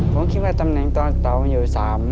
ผมคิดว่าตำแหน่งตอนเตามันอยู่๓